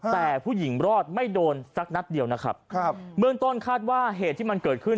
แต่ผู้หญิงรอดไม่โดนสักนัดเดียวนะครับครับเบื้องต้นคาดว่าเหตุที่มันเกิดขึ้น